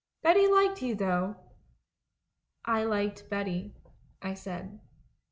Betty liked you, though.' 'I liked Betty,' I said. .